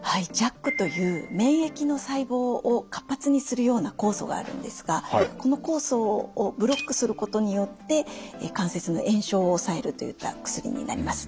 ＪＡＫという免疫の細胞を活発にするような酵素があるんですがこの酵素をブロックすることによって関節の炎症を抑えるといった薬になります。